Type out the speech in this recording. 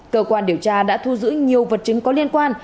cơ quan điều tra đã thu giữ nhiều vật chứng có liên quan